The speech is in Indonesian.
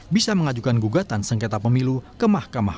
bisa mengajukan gugatan sengketa pemilu kemaskapan